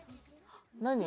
何？